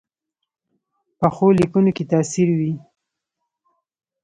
پخو لیکنو کې تاثیر وي